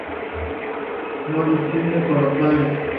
No discuten con los padres.